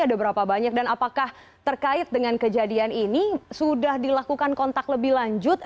ada berapa banyak dan apakah terkait dengan kejadian ini sudah dilakukan kontak lebih lanjut